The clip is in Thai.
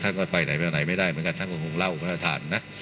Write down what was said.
ทรงมีลายพระราชกระแสรับสู่ภาคใต้